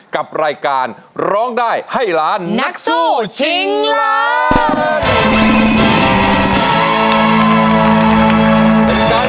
กับรายการร้องได้ให้ล้านนักสู้ชิงล้าน